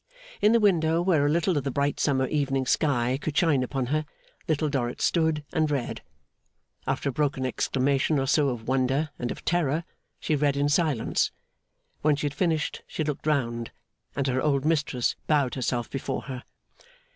In the window, where a little of the bright summer evening sky could shine upon her, Little Dorrit stood, and read. After a broken exclamation or so of wonder and of terror, she read in silence. When she had finished, she looked round, and her old mistress bowed herself before her.